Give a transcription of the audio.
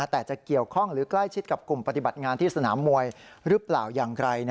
แต่จะเกี่ยวข้องหรือใกล้ชิดกับกลุ่มปฏิบัติงานที่สนามมวยหรือเปล่าอย่างไร